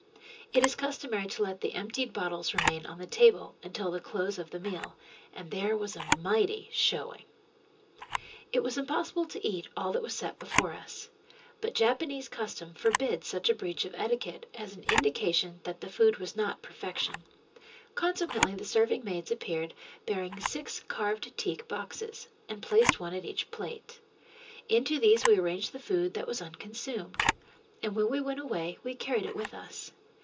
It is customary to let the emptied bottles remain on the table until the close of the meal, and there was a mighty showing. It was impossible to eat all that was set before us, but Japanese custom forbids such a breach of etiquette as an indication that the food was not perfection, consequently the serving maids appeared bearing six carved teak boxes, and placed one at each plate. Into these we arranged the food that was unconsumed, and when we went away we carried it with us.